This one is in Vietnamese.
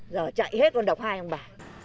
giờ chạy hết con đọc hai ông bà